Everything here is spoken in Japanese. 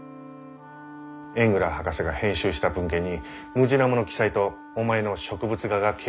エングラー博士が編集した文献にムジナモの記載とお前の植物画が掲載されていた。